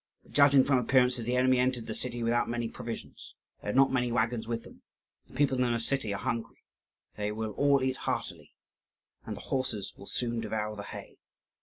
But, judging from appearances, the enemy entered the city without many provisions; they had not many waggons with them. The people in the city are hungry; they will all eat heartily, and the horses will soon devour the hay.